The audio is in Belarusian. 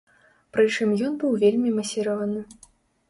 Прычым ён быў вельмі масіраваны.